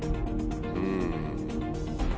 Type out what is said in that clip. うん。